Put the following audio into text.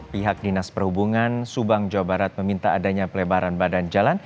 pihak dinas perhubungan subang jawa barat meminta adanya pelebaran badan jalan